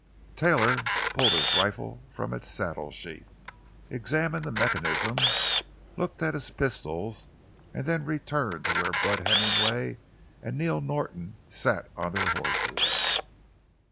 Taylor pulled his rifle from its saddle sheath, examined the mechanism, looked at his pistols, and then returned to where Bud Hemmingway and Neil Norton sat on their horses.